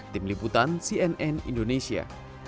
tim liputan cnn indonesia